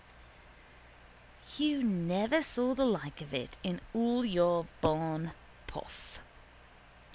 You never saw the like of it in all your born puff.